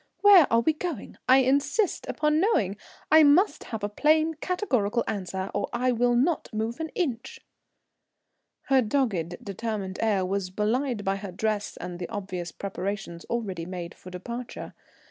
Where are we going? I insist upon knowing. I must have a plain categorical answer or I will not move an inch." Her dogged, determined air was belied by her dress and the obvious preparations already made for departure.